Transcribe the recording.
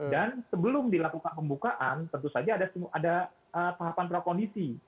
dan sebelum dilakukan pembukaan tentu saja ada tahapan prakondisi